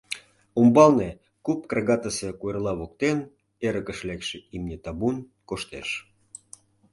Умбалне, куп крагатысе куэрла воктен, эрыкыш лекше имне табун коштеш.